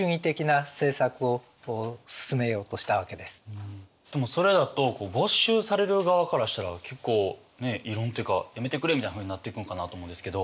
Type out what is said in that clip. そのためでもそれだと没収される側からしたら結構異論というかやめてくれみたいなふうになってくんかなと思うんですけど。